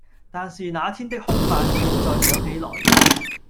但是那天的哭法，現在想起來，